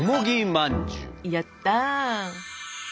やった！